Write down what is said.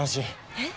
えっ！？